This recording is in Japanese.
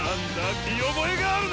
見覚えがあるな！